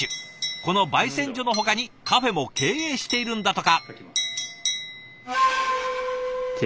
このばい煎所のほかにカフェも経営しているんだとか。